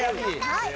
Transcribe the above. はい。